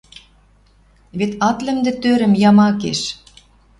Вет ат лӹмдӹ тӧрӹм ямакеш!